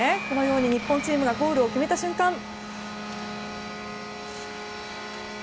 このように日本チームがゴールを決めた瞬間。